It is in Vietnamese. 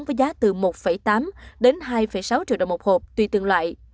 với giá từ một tám đến hai sáu triệu đồng một hộp tùy từng loại